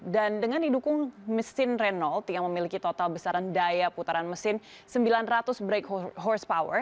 dan dengan didukung mesin renault yang memiliki total besaran daya putaran mesin sembilan ratus bhp